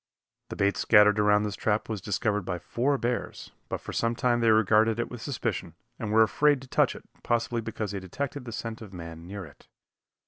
The bait scattered around this trap was discovered by four bears, but for some time they regarded it with suspicion, and were afraid to touch it, possibly because they detected the scent of man near it.